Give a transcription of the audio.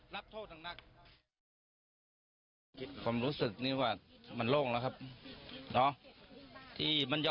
มันก็รู้สึกเย็นหน่อย